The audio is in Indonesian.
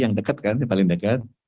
yang dekat kan paling dekat